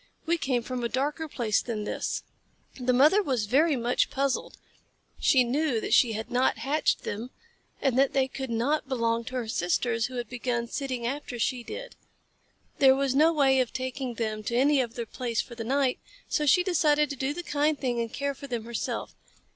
We came from a darker place than this." The mother was very much puzzled. She knew that she had not hatched them, and that they could not belong to her sisters, who had begun sitting after she did. There was no way of taking them to any other place for the night, so she decided to do the kind thing and care for them herself.